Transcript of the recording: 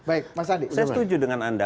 baik mas adi saya setuju dengan anda